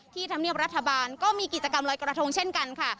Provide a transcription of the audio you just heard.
ธรรมเนียบรัฐบาลก็มีกิจกรรมลอยกระทงเช่นกันค่ะ